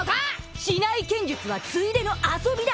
竹刀剣術はついでの遊びだ！